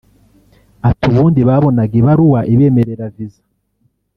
Ati “Ubundi babonaga ibaruwa ibemerera visa